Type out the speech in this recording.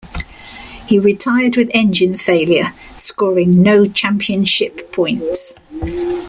He retired with engine failure, scoring no championship points.